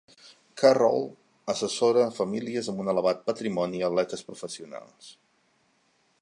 Carroll assessora famílies amb un elevat patrimoni i atletes professionals.